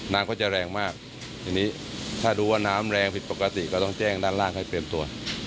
น้ำก็จะแรงมากทีนี้ถ้าดูว่าน้ำแรงผิดปกติก็ต้องแจ้งด้านล่างให้เตรียมตัว